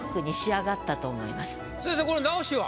先生これ直しは？